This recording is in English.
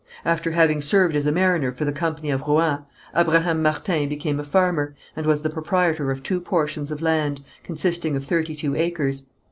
After having served as a mariner for the Company of Rouen, Abraham Martin became a farmer, and was the proprietor of two portions of land, consisting of thirty two acres.